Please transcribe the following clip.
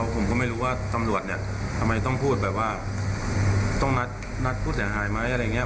ผมก็ไม่รู้ว่าตำรวจเนี่ยทำไมต้องพูดแบบว่าต้องนัดผู้เสียหายไหมอะไรอย่างนี้